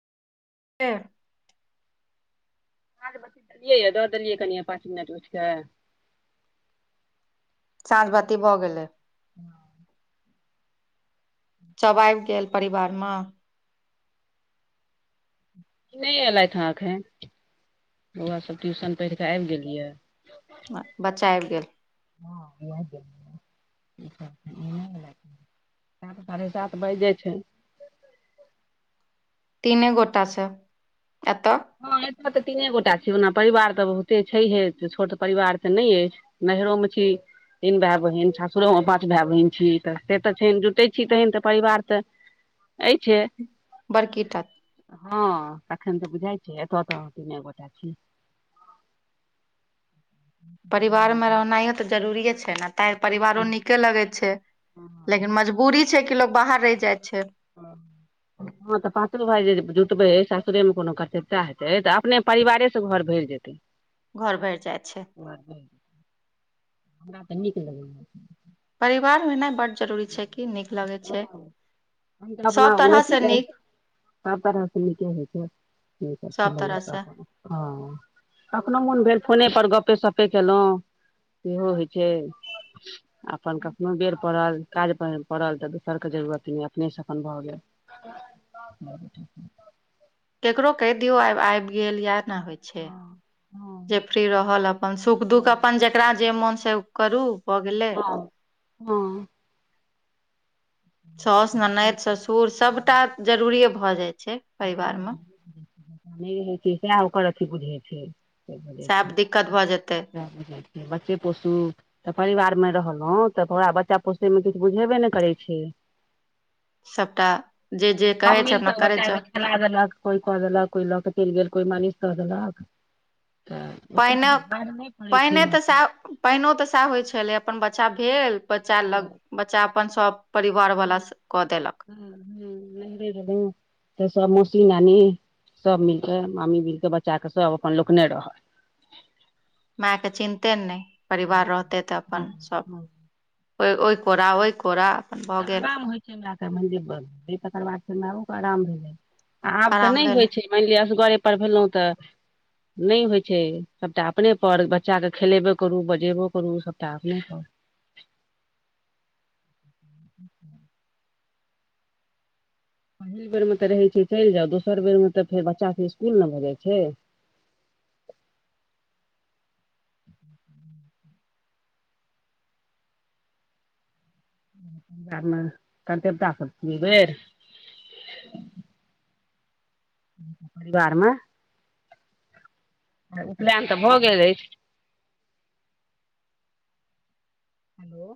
[unintelligible] साँझ बती देलियै यऽ देलियै कनि पाँच मिनट उठि कऽ साँच बाती भऽ गेलै हँ सब आबि गेल परिवार मऽ नहि एलथि हँ एखन बऊआ सब ट्यूशन पढ़ कऽ आबि गेल यै बच्चा आबि गेल हँ [unintelligible] सात साढ़े सात बाजि जाइ छै तीने गोटा छै एतऽ हँ एतय तऽ तीने गोटा छै ओना परिवार तऽ बहुते छैहे छोट परिवार तऽ नहि अछि नेहरो मऽ छी तीन भाय बहिन सासुरोमे पाँच भाय बहिन छी तऽ से तऽ छनि जुटैत छी तहेन तऽ परिवार तऽ एहि छै बड़कीटा हँ तखन तऽ बुझाइ छै एतऽ तऽ तीने गोटा छीिय परिवार में रहनाइयो ते जरुररीे छै ने ता परिवारो हँ निक नीके लगै छै लेकिन मजबूरी छै कि लोग बाहर रहि जाइ छै। हँ। हँ तऽ पाँचो भााय जे जुटबे है सासुरे मे कोनो कर्तव्यता हेतै तऽ अपने परिवारे से घर भरि जेतै। [unintelligible] घर भरि जाइ छै [unintelligible] हमरा तऽ नीक लगैया परिवार होनाइ बड्ड जरूरी छै कि नीक लगै छै हम तऽ अपना सभ तरहसँ [unintelligible] नीक सब तरह सऽ निके होइ छै सभ तरहसँ [unintelligible] हँ कखनो मोन भेल फोने पर गपे सपे केलहुँ। सेहो होइत छै अपन कखनो बेर पड़ल। काज पड़ल तऽ दोसरके जरूरत नहि अपनेसँ अपन भऽ गेल। केकरो कहि दियौ आ आबि गेल इाह ने होइ छै हँ जे फ्री रहल आब। अपन सुख दुख हँ अपन जेकरा जे मोन से करू भऽ गेले। हँ। सौस ननदि ससुर सभटा जरूरिए भऽ जाइत छै परिवारमे। नहि रहै छै सएह ओकर अथी बुझैत छै बजै छै सएब दिक्कत भऽ जेतै सएह बझ छै। बच्चे पोसु तऽ परिवार मे रहलहुँ तऽ तोरा बच्चा पोसैमे किछु बुझेबे नहि करै छै। सभटा जे जे कहै छै अपना करैत जाउ। दलक कोइ क दलक कोइ लक चल गेल कोइ मलिष तऽदलक। तऽ ओतेक पहिने भार नहि पड़ैत छै। पानिओ तऽ सएह होइ छलै अपन बच्चा भेल बच्चा हूँ लग बच्चा अपन सभ। परिवारवला हूँ सब कऽ देलक। [inaudible] तऽ सब मौसी नानी सब मिलके मामी मिल के बच्चा के सब अपन लोक ने रह। माय के चिन्हते नहि परिवार रहते तऽ हँ अपन सब हँ ओहि कोरा ओहि। कोरा अपन तऽ भऽ गेल आराम होइ छै हमरा आरके मानि लि ब भेलै तकर बाद फेर हमराके आराम भै। आब तऽ आराम नहि भेल होइ छै मानि लिअ असगरे पर भेलहुँ तऽ। नहि होइ छै सभटा अपने पर बच्चाकेँ खेलेबो करू बजेबो करू सभटा अपने पर। [unintelligible] पहिल बेरमे तऽ रहैत छै चलि जाउ दोसर बेरमे तऽ फेर बच्चा सभ इसकुल ने भऽ जाइत छै। ह। [unintelligible] [inaudible] परिवारमे। उपनयन तऽ भऽ गेल अछि। हेलो।